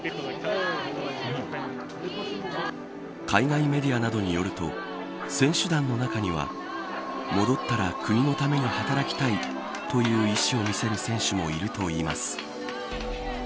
海外メディアなどによると選手団の中には戻ったら国のために働きたいという意志を見せる選手もいるといいます。